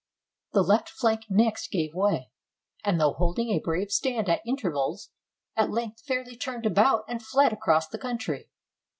The left flank next gave way, and though holding a brave stand at intervals, at length fairly turned about and fled across the country.